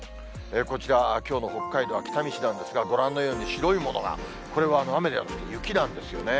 こちら、きょうの北海道は北見市なんですが、ご覧のように白いものが、これは雨ではなくて雪なんですよね。